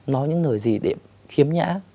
nói những lời gì để khiếm nhã